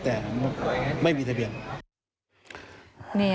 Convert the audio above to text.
แต่ไม่มีทะเบียน